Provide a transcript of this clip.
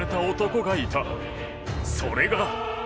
それが。